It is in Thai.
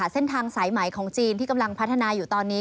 เส้นทางสายใหม่ของจีนที่กำลังพัฒนาอยู่ตอนนี้